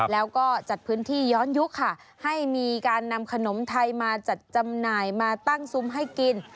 แล้วก็จัดพื้นที่ย้อนยุคค่ะให้มีการนำขนมไทยมาจัดจำหน่ายมาตั้งซุ้มให้กิน